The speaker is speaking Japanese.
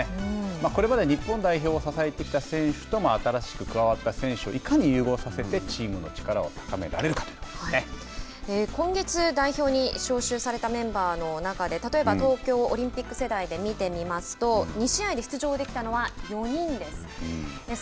これまで日本代表を支えてきた選手と新しく加わった選手をいかに融合させてチームの力を今月代表に招集されたメンバーの中で例えば東京オリンピック世代で見てみますと２試合で出場できたのは４人です。